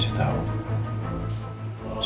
saya selalu memprioritaskan anda